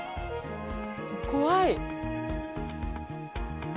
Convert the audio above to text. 怖い。